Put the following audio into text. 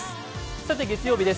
さて月曜日です。